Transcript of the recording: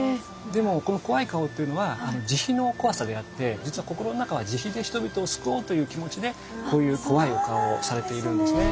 でもこの怖い顔っていうのは慈悲の怖さであって実は心の中は慈悲で人々を救おうという気持ちでこういう怖いお顔をされているんですね。